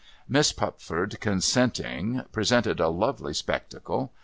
Miss Pupford consenting, presented a lovely spectacle.